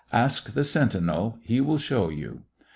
"Ask the sentinel; he will show you."